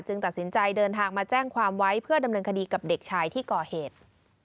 ตัดสินใจเดินทางมาแจ้งความไว้เพื่อดำเนินคดีกับเด็กชายที่ก่อเหตุ